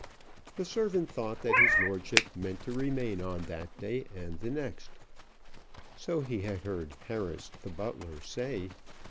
The servant thought that his lordship meant to remain on that day and the next. So he had heard Harris, the butler, say.